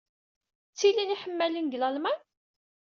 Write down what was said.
Ttilin yiḥemmalen deg Lalman?